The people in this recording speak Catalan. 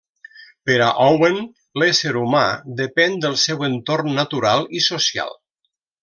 Per a Owen, l'ésser humà depèn del seu entorn natural i social.